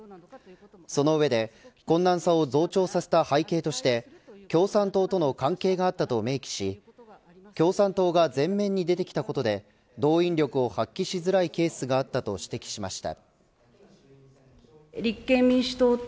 その上で、困難さを増長させた背景として共産党との関係があったと明記し共産党が前面に出てきたことで動員力を発揮しづらいケースがあったと指摘しました。